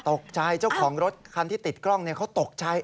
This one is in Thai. เจ้าของรถคันที่ติดกล้องเขาตกใจ